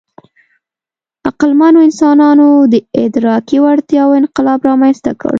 عقلمنو انسانانو د ادراکي وړتیاوو انقلاب رامنځ ته کړ.